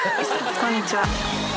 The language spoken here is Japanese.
こんにちは。